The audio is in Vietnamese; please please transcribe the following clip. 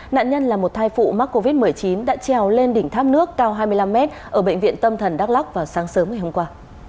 nạn nhân là một thai phụ mắc covid một mươi chín đã trèo lên đỉnh tháp nước cao hai mươi năm m ở bệnh viện tâm thần đắk lắc vào sáng sớm ngày hôm qua